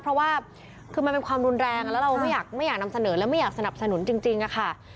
เพราะว่าคือมันเป็นความรุนแรงแล้วเราไม่อยากนำเสนอและไม่อยากสนับสนุนจริงค่ะ